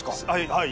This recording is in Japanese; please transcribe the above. はい。